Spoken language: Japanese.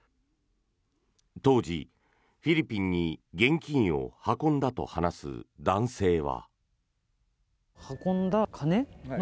当時、フィリピンに現金を運んだと話す男性は。